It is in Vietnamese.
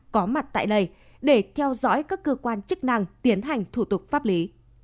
có mặt tại đây để theo dõi các cơ quan chức năng tiến hành thủ tục pháp lý